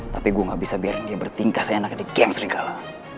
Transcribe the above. tapi gue gak bisa biarin dia bertingkah seenak di geng serigala